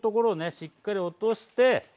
しっかり落として。